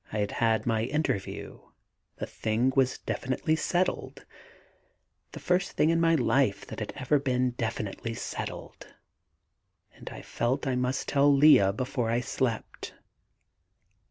I had had my interview, the thing was definitely settled; the first thing in my life that had ever been definitely settled; and I felt I must tell Lea before I slept.